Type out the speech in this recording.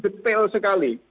itu tel sekali